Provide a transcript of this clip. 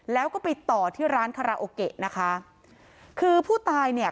แล้วก็ไปต่อที่ร้านคาราโอเกะนะคะคือผู้ตายเนี่ย